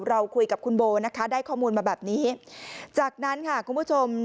เราคุยกับคุณโบนะคะได้ข้อมูลมาแบบนี้จากนั้นค่ะคุณผู้ชม